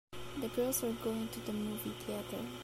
The girls are going to the movie theater.